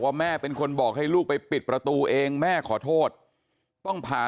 แม่เป็นคนบอกให้ลูกไปปิดประตูเองแม่ขอโทษต้องผ่า